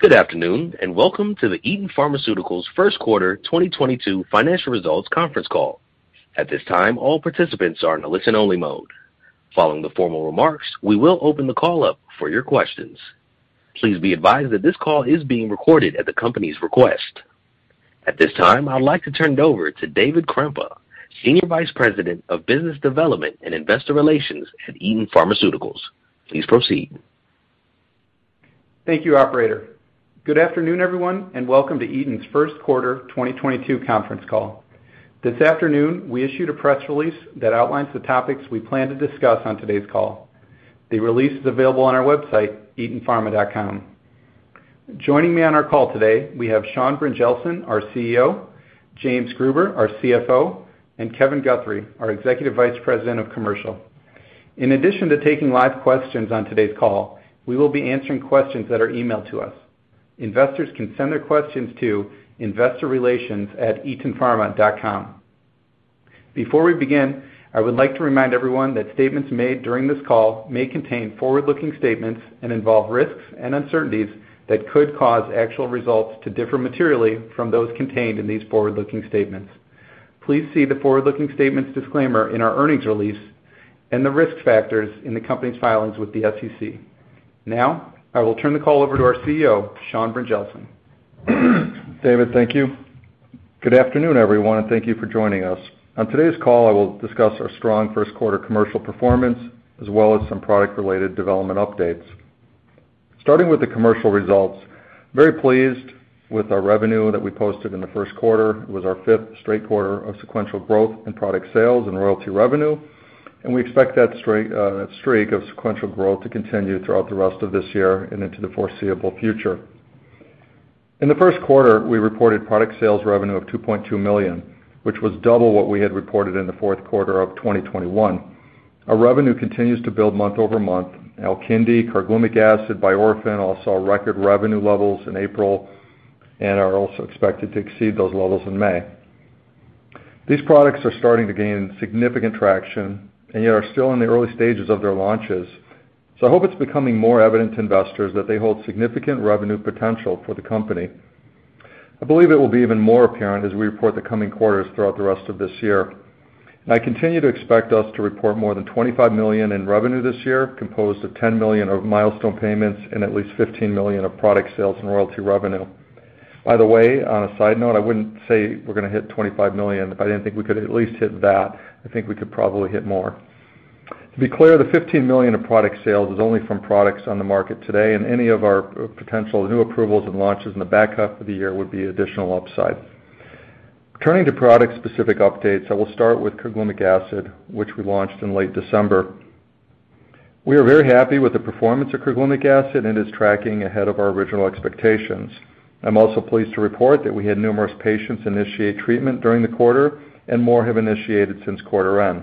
Good afternoon, and welcome to the Eton Pharmaceuticals First Quarter 2022 Financial Results Conference Call. At this time, all participants are in listen-only mode. Following the formal remarks, we will open the call up for your questions. Please be advised that this call is being recorded at the company's request. At this time, I'd like to turn it over to David Krempa, Senior Vice President of Business Development and Investor Relations at Eton Pharmaceuticals. Please proceed. Thank you, operator. Good afternoon, everyone, and welcome to Eton's First Quarter 2022 Conference Call. This afternoon, we issued a press release that outlines the topics we plan to discuss on today's call. The release is available on our website, etonpharma.com. Joining me on our call today, we have Sean Brynjelsen, our CEO, James Gruber, our CFO, and Kevin Guthrie, our Executive Vice President of Commercial. In addition to taking live questions on today's call, we will be answering questions that are emailed to us. Investors can send their questions to investorrelations@etonpharma.com. Before we begin, I would like to remind everyone that statements made during this call may contain forward-looking statements and involve risks and uncertainties that could cause actual results to differ materially from those contained in these forward-looking statements. Please see the forward-looking statements disclaimer in our earnings release and the risk factors in the company's filings with the SEC. Now, I will turn the call over to our CEO, Sean Brynjelsen. David, thank you. Good afternoon, everyone, and thank you for joining us. On today's call, I will discuss our strong first quarter commercial performance, as well as some product-related development updates. Starting with the commercial results, very pleased with our revenue that we posted in the first quarter. It was our fifth straight quarter of sequential growth in product sales and royalty revenue, and we expect that straight streak of sequential growth to continue throughout the rest of this year and into the foreseeable future. In the first quarter, we reported product sales revenue of $2.2 million, which was double what we had reported in the fourth quarter of 2021. Our revenue continues to build month-over-month. Alkindi, carglumic acid, Biorphen all saw record revenue levels in April and are also expected to exceed those levels in May. These products are starting to gain significant traction and yet are still in the early stages of their launches. I hope it's becoming more evident to investors that they hold significant revenue potential for the company. I believe it will be even more apparent as we report the coming quarters throughout the rest of this year. I continue to expect us to report more than $25 million in revenue this year, composed of $10 million of milestone payments and at least $15 million of product sales and royalty revenue. By the way, on a side note, I wouldn't say we're gonna hit $25 million if I didn't think we could at least hit that. I think we could probably hit more. To be clear, the $15 million of product sales is only from products on the market today, and any of our potential new approvals and launches in the back half of the year would be additional upside. Turning to product-specific updates, I will start with carglumic acid, which we launched in late December. We are very happy with the performance of carglumic acid, and it's tracking ahead of our original expectations. I'm also pleased to report that we had numerous patients initiate treatment during the quarter, and more have initiated since quarter end.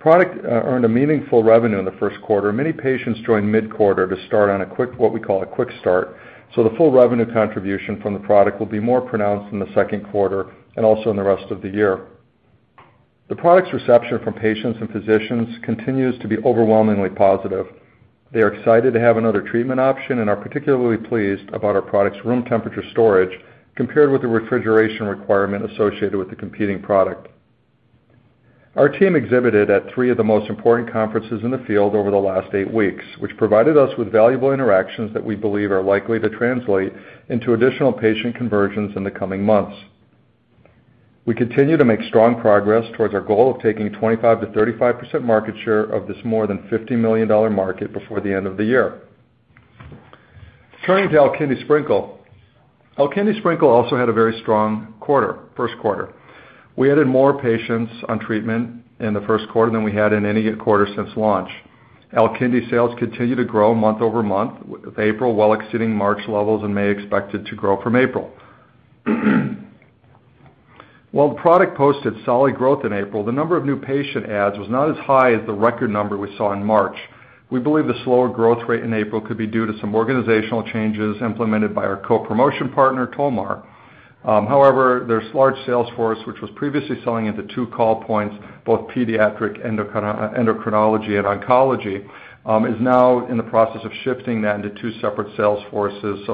Product earned a meaningful revenue in the first quarter. Many patients joined mid-quarter to start on a quick start, what we call a quick start, so the full revenue contribution from the product will be more pronounced in the second quarter and also in the rest of the year. The product's reception from patients and physicians continues to be overwhelmingly positive. They are excited to have another treatment option and are particularly pleased about our product's room temperature storage compared with the refrigeration requirement associated with the competing product. Our team exhibited at three of the most important conferences in the field over the last eight weeks, which provided us with valuable interactions that we believe are likely to translate into additional patient conversions in the coming months. We continue to make strong progress towards our goal of taking 25%-35% market share of this more than $50 million market before the end of the year. Turning to Alkindi Sprinkle. Alkindi Sprinkle also had a very strong quarter, first quarter. We added more patients on treatment in the first quarter than we had in any quarter since launch. Alkindi sales continue to grow month-over-month, with April well exceeding March levels and May expected to grow from April. While the product posted solid growth in April, the number of new patient adds was not as high as the record number we saw in March. We believe the slower growth rate in April could be due to some organizational changes implemented by our co-promotion partner, Tolmar. However, their large sales force, which was previously selling into two call points, both pediatric endocrinology and oncology, is now in the process of shifting that into two separate sales forces.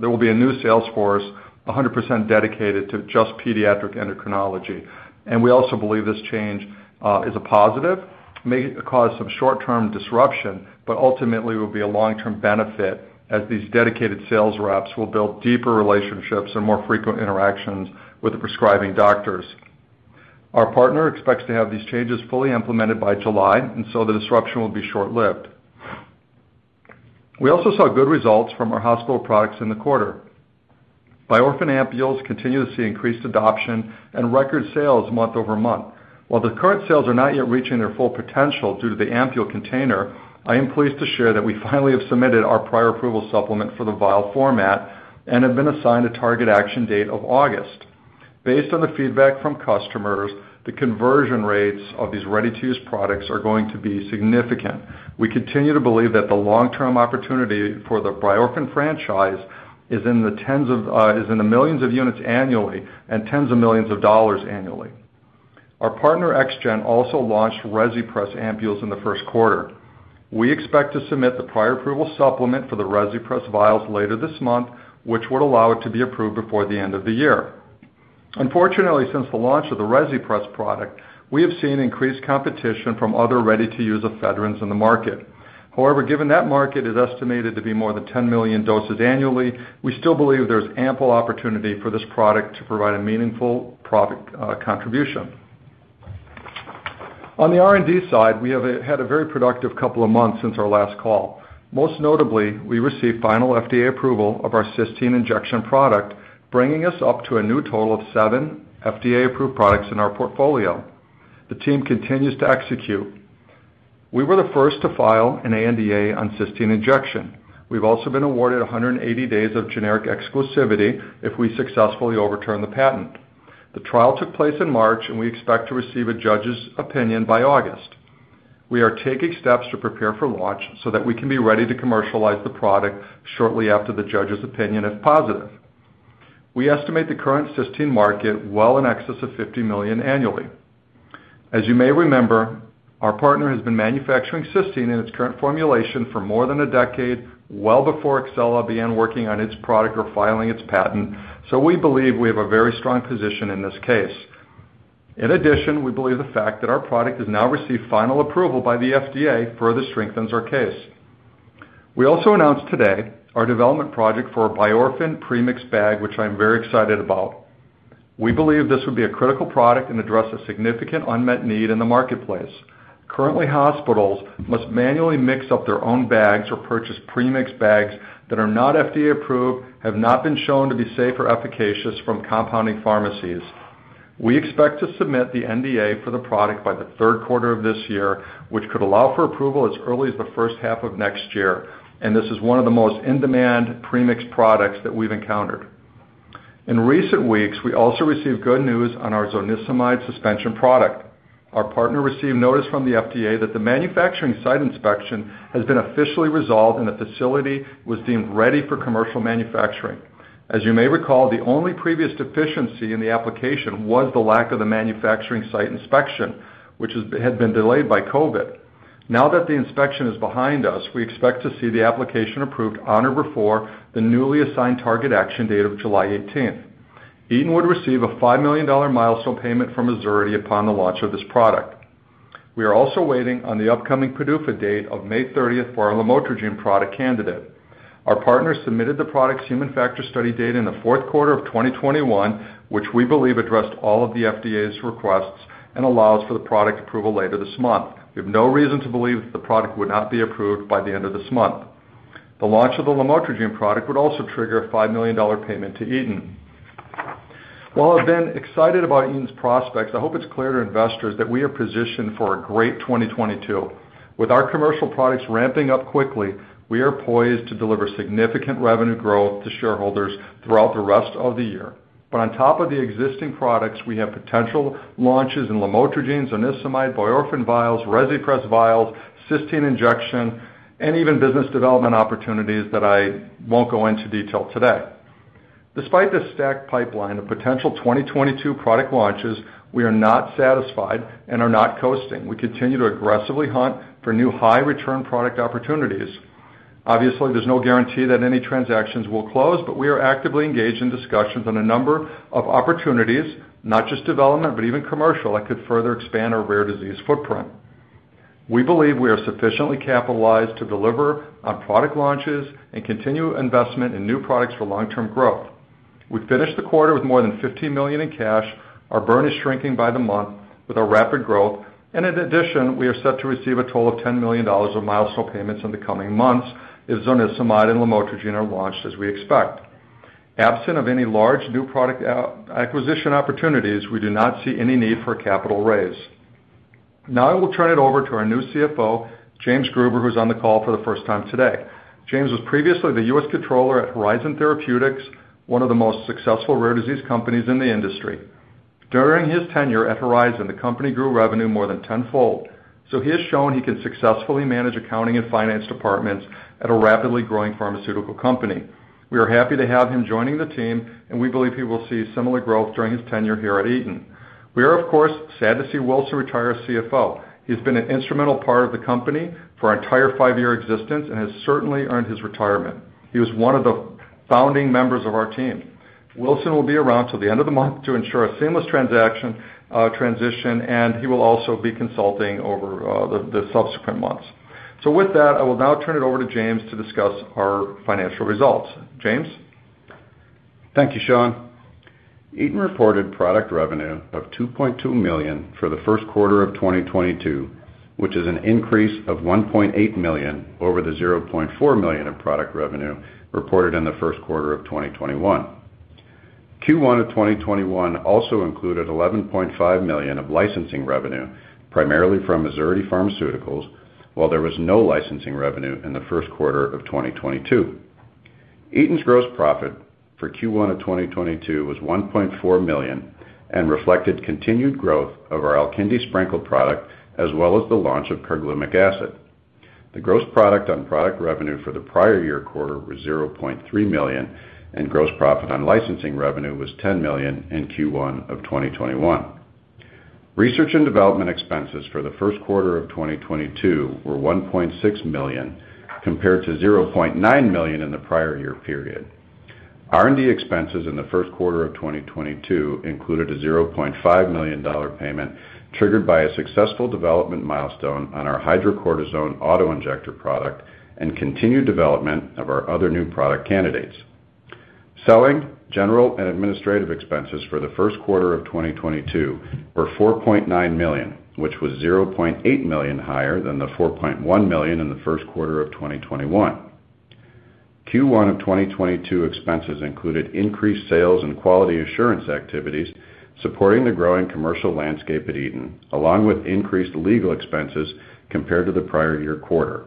There will be a new sales force 100% dedicated to just pediatric endocrinology. We also believe this change is a positive. May cause some short-term disruption, but ultimately will be a long-term benefit as these dedicated sales reps will build deeper relationships and more frequent interactions with the prescribing doctors. Our partner expects to have these changes fully implemented by July, and so the disruption will be short-lived. We also saw good results from our hospital products in the quarter. Biorphen ampules continue to see increased adoption and record sales month-over-month. While the current sales are not yet reaching their full potential due to the ampule container, I am pleased to share that we finally have submitted our prior approval supplement for the vial format and have been assigned a target action date of August. Based on the feedback from customers, the conversion rates of these ready-to-use products are going to be significant. We continue to believe that the long-term opportunity for the Biorphen franchise is in the tens of millions of units annually and tens of millions of dollars annually. Our partner XGen also launched Rezipres ampules in the first quarter. We expect to submit the prior approval supplement for the Rezipres vials later this month, which would allow it to be approved before the end of the year. Unfortunately, since the launch of the Rezipres product, we have seen increased competition from other ready-to-use ephedrins in the market. However, given that market is estimated to be more than 10 million doses annually, we still believe there's ample opportunity for this product to provide a meaningful profit contribution. On the R&D side, we had a very productive couple of months since our last call. Most notably, we received final FDA approval of our cysteine injection product, bringing us up to a new total of 7 FDA-approved products in our portfolio. The team continues to execute. We were the first to file an ANDA on cysteine injection. We've also been awarded 180 days of generic exclusivity if we successfully overturn the patent. The trial took place in March, and we expect to receive a judge's opinion by August. We are taking steps to prepare for launch so that we can be ready to commercialize the product shortly after the judge's opinion if positive. We estimate the current cysteine market well in excess of $50 million annually. As you may remember, our partner has been manufacturing cysteine in its current formulation for more than a decade, well before Exela began working on its product or filing its patent, so we believe we have a very strong position in this case. In addition, we believe the fact that our product has now received final approval by the FDA further strengthens our case. We also announced today our development project for a Biorphen pre-mix bag, which I'm very excited about. We believe this will be a critical product and address a significant unmet need in the marketplace. Currently, hospitals must manually mix up their own bags or purchase pre-mix bags that are not FDA approved, have not been shown to be safe or efficacious from compounding pharmacies. We expect to submit the NDA for the product by the third quarter of this year, which could allow for approval as early as the first half of next year, and this is one of the most in-demand pre-mix products that we've encountered. In recent weeks, we also received good news on our zonisamide suspension product. Our partner received notice from the FDA that the manufacturing site inspection has been officially resolved, and the facility was deemed ready for commercial manufacturing. As you may recall, the only previous deficiency in the application was the lack of the manufacturing site inspection, which had been delayed by COVID. Now that the inspection is behind us, we expect to see the application approved on or before the newly assigned target action date of July 18th. Eton would receive a $5 million milestone payment from Azurity upon the launch of this product. We are also waiting on the upcoming PDUFA date of May 30th for our lamotrigine product candidate. Our partner submitted the product's human factors study data in the fourth quarter of 2021, which we believe addressed all of the FDA's requests and allows for the product approval later this month. We have no reason to believe that the product would not be approved by the end of this month. The launch of the lamotrigine product would also trigger a $5 million payment to Eton. While I've been excited about Eton's prospects, I hope it's clear to investors that we are positioned for a great 2022. With our commercial products ramping up quickly, we are poised to deliver significant revenue growth to shareholders throughout the rest of the year. On top of the existing products, we have potential launches in lamotrigine, zonisamide, Biorphen vials, Rezipres vials, cysteine injection, and even business development opportunities that I won't go into detail today. Despite this stacked pipeline of potential 2022 product launches, we are not satisfied and are not coasting. We continue to aggressively hunt for new high-return product opportunities. Obviously, there's no guarantee that any transactions will close, but we are actively engaged in discussions on a number of opportunities, not just development, but even commercial, that could further expand our rare disease footprint. We believe we are sufficiently capitalized to deliver on product launches and continue investment in new products for long-term growth. We finished the quarter with more than $50 million in cash, our burn is shrinking by the month with our rapid growth, and in addition, we are set to receive a total of $10 million of milestone payments in the coming months as zonisamide and lamotrigine are launched as we expect. Absent of any large new product acquisition opportunities, we do not see any need for a capital raise. Now I will turn it over to our new CFO, James Gruber, who's on the call for the first time today. James was previously the U.S. controller at Horizon Therapeutics, one of the most successful rare disease companies in the industry. During his tenure at Horizon, the company grew revenue more than tenfold, so he has shown he can successfully manage accounting and finance departments at a rapidly growing pharmaceutical company. We are happy to have him joining the team, and we believe he will see similar growth during his tenure here at Eton. We are, of course, sad to see Wilson retire as CFO. He's been an instrumental part of the company for our entire five-year existence and has certainly earned his retirement. He was one of the founding members of our team. Wilson will be around till the end of the month to ensure a seamless transition, and he will also be consulting over the subsequent months. With that, I will now turn it over to James to discuss our financial results. James? Thank you, Sean. Eton reported product revenue of $2.2 million for the first quarter of 2022, which is an increase of $1.8 million over the $0.4 million in product revenue reported in the first quarter of 2021. Q1 of 2021 also included $11.5 million of licensing revenue, primarily from Azurity Pharmaceuticals, while there was no licensing revenue in the first quarter of 2022. Eton's gross profit for Q1 of 2022 was $1.4 million and reflected continued growth of our Alkindi Sprinkle product as well as the launch of carglumic acid. The gross product on product revenue for the prior year quarter was $0.3 million, and gross profit on licensing revenue was $10 million in Q1 of 2021. Research and development expenses for the first quarter of 2022 were $1.6 million compared to $0.9 million in the prior year period. R&D expenses in the first quarter of 2022 included a $0.5 million dollar payment triggered by a successful development milestone on our hydrocortisone auto-injector product and continued development of our other new product candidates. Selling, general and administrative expenses for the first quarter of 2022 were $4.9 million, which was $0.8 million higher than the $4.1 million in the first quarter of 2021. Q1 2022 expenses included increased sales and quality assurance activities supporting the growing commercial landscape at Eton, along with increased legal expenses compared to the prior year quarter.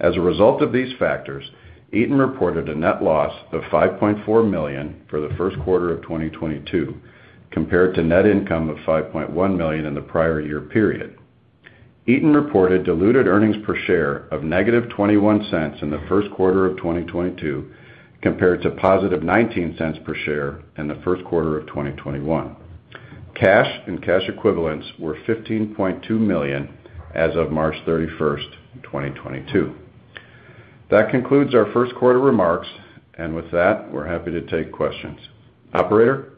As a result of these factors, Eton reported a net loss of $5.4 million for the first quarter of 2022, compared to net income of $5.1 million in the prior year period. Eton reported diluted earnings per share of -$0.21 in the first quarter of 2022, compared to $0.19 per share in the first quarter of 2021. Cash and cash equivalents were $15.2 million as of March 31, 2022. That concludes our first quarter remarks, and with that, we're happy to take questions. Operator?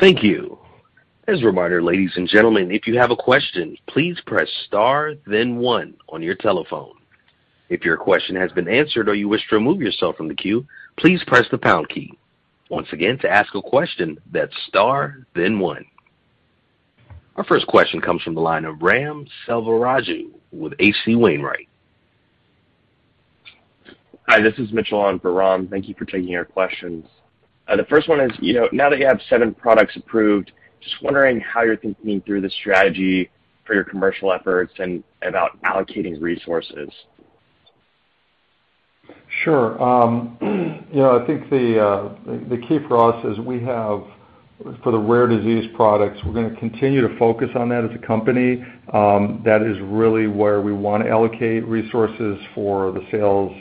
Thank you. As a reminder, ladies and gentlemen, if you have a question, please press star then one on your telephone. If your question has been answered or you wish to remove yourself from the queue, please press the pound key. Once again, to ask a question, that's star then one. Our first question comes from the line of Ram Selvaraju with H.C. Wainwright. Hi, this is Mitchell on for Ram. Thank you for taking our questions. The first one is, you know, now that you have seven products approved, just wondering how you're thinking through the strategy for your commercial efforts and about allocating resources. Sure. You know, I think the key for us is we have, for the rare disease products, we're gonna continue to focus on that as a company. That is really where we wanna allocate resources for the sales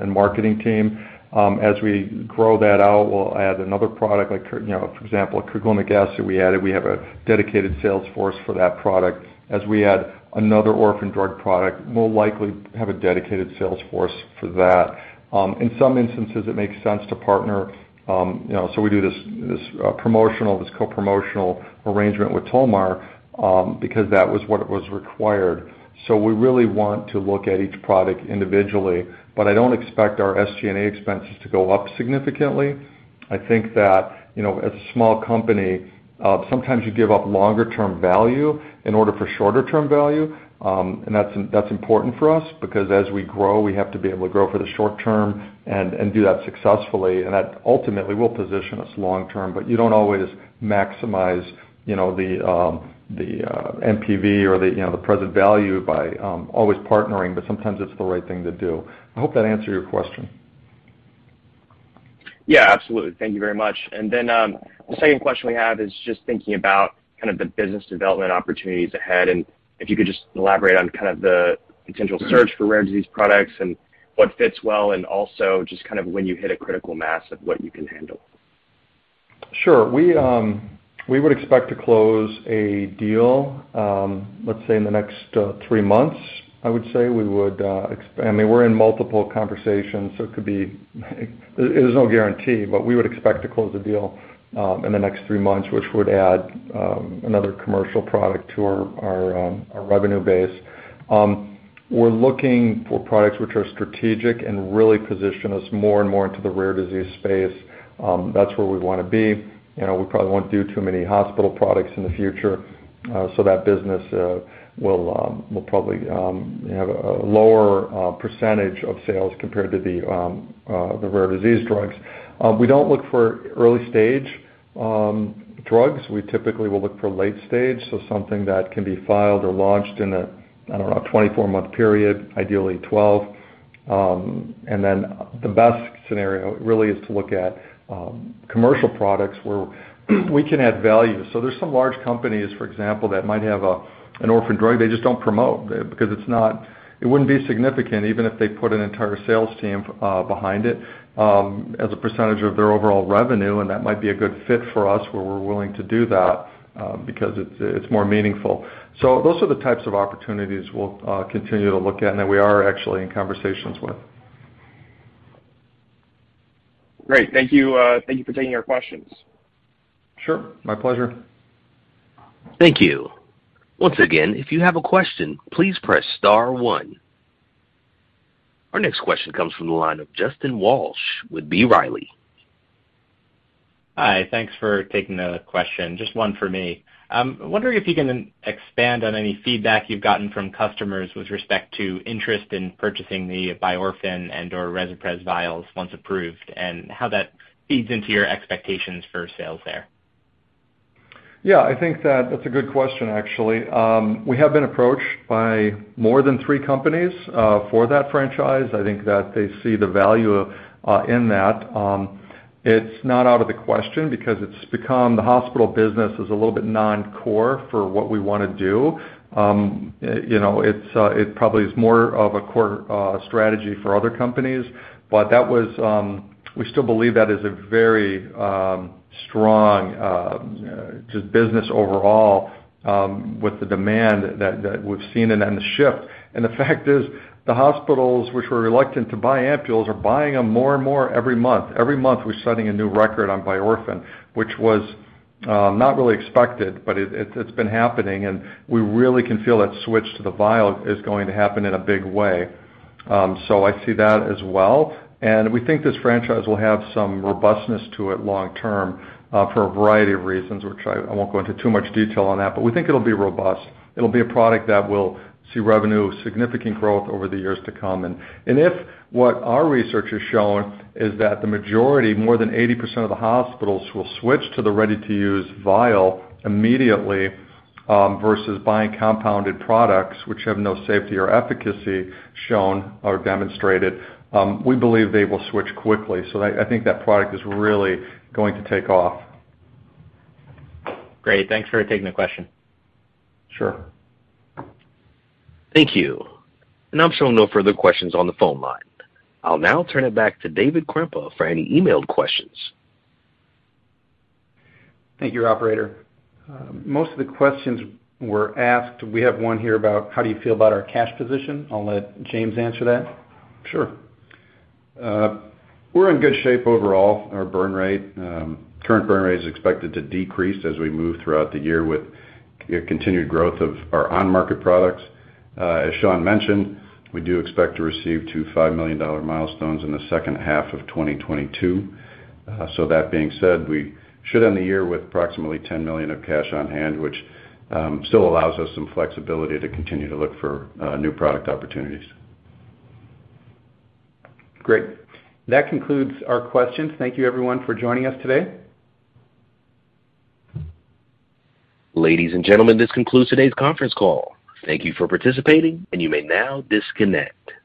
and marketing team. As we grow that out, we'll add another product like, you know, for example, carglumic acid we added, we have a dedicated sales force for that product. As we add another orphan drug product, we'll likely have a dedicated sales force for that. In some instances, it makes sense to partner, you know, so we do this co-promotional arrangement with Tolmar, because that was what was required. We really want to look at each product individually. I don't expect our SG&A expenses to go up significantly. I think that, you know, as a small company, sometimes you give up longer-term value in order for shorter-term value, and that's important for us because as we grow, we have to be able to grow for the short term and do that successfully. That ultimately will position us long term. You don't always maximize the NPV or the present value by always partnering, but sometimes it's the right thing to do. I hope that answered your question. Yeah, absolutely. Thank you very much. Then, the second question we have is just thinking about kind of the business development opportunities ahead, and if you could just elaborate on kind of the potential search for rare disease products and what fits well, and also just kind of when you hit a critical mass of what you can handle? Sure. We would expect to close a deal, let's say in the next three months. I would say we would, I mean, we're in multiple conversations, so it could be. It is no guarantee, but we would expect to close the deal in the next three months, which would add another commercial product to our revenue base. We're looking for products which are strategic and really position us more and more into the rare disease space. That's where we wanna be. You know, we probably won't do too many hospital products in the future, so that business will probably have a lower percentage of sales compared to the rare disease drugs. We don't look for early-stage drugs. We typically will look for late stage, so something that can be filed or launched in a, I don't know, 24-month period, ideally 12. The best scenario really is to look at commercial products where we can add value. There's some large companies, for example, that might have a an orphan drug they just don't promote because it wouldn't be significant even if they put an entire sales team behind it as a percentage of their overall revenue, and that might be a good fit for us, where we're willing to do that because it's more meaningful. Those are the types of opportunities we'll continue to look at and that we are actually in conversations with. Great. Thank you. Thank you for taking our questions. Sure. My pleasure. Thank you. Once again, if you have a question, please press star one. Our next question comes from the line of Justin Walsh with B. Riley. Hi, thanks for taking a question. Just one for me. Wondering if you can expand on any feedback you've gotten from customers with respect to interest in purchasing the Biorphen and/or Rezipres vials once approved, and how that feeds into your expectations for sales there. Yeah, I think that that's a good question, actually. We have been approached by more than three companies for that franchise. I think that they see the value in that. It's not out of the question because it's become the hospital business is a little bit non-core for what we wanna do. You know, it's it probably is more of a core strategy for other companies, but that was we still believe that is a very strong just business overall with the demand that we've seen and then the shift. The fact is the hospitals which were reluctant to buy ampules are buying them more and more every month. Every month, we're setting a new record on Biorphen, which was not really expected, but it's been happening, and we really can feel that switch to the vial is going to happen in a big way. I see that as well. We think this franchise will have some robustness to it long term, for a variety of reasons, which I won't go into too much detail on that, but we think it'll be robust. It'll be a product that will see revenue, significant growth over the years to come. If what our research has shown is that the majority, more than 80% of the hospitals will switch to the ready-to-use vial immediately, versus buying compounded products which have no safety or efficacy shown or demonstrated, we believe they will switch quickly. I think that product is really going to take off. Great. Thanks for taking the question. Sure. Thank you. I'm showing no further questions on the phone line. I'll now turn it back to David Krempa for any emailed questions. Thank you, operator. Most of the questions were asked. We have one here about how do you feel about our cash position? I'll let James answer that. Sure. We're in good shape overall. Our burn rate, current burn rate is expected to decrease as we move throughout the year with continued growth of our on-market products. As Sean mentioned, we do expect to receive two $5 million milestones in the second half of 2022. That being said, we should end the year with approximately $10 million of cash on hand, which still allows us some flexibility to continue to look for new product opportunities. Great. That concludes our questions. Thank you everyone for joining us today. Ladies and gentlemen, this concludes today's conference call. Thank you for participating, and you may now disconnect.